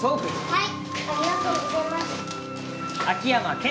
はい。